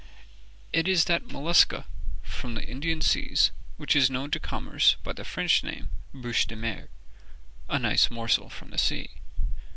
"It is that mollusca from the Indian Seas which is known to commerce by the French name bouche de mer (a nice morsel from the sea).